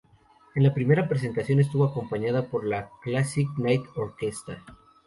En la primera presentación estuvo acompañada por la Classic Night Orchestra.